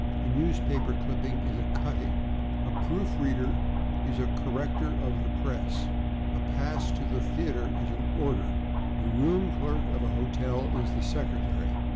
A newspaper clipping is a /cutting/. A proof reader is a /corrector of the press/. A pass to the theatre is an /order/. The room clerk of a hotel is the /secretary